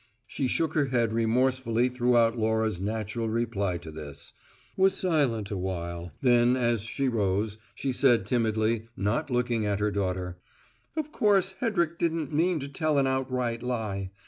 She shook her head remorsefully throughout Laura's natural reply to this; was silent a while; then, as she rose, she said timidly, not looking at her daughter: "Of course Hedrick didn't mean to tell an outright lie.